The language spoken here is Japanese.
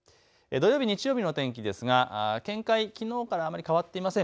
土曜日、日曜日の天気ですが見解、きのうからあまり変わっていません。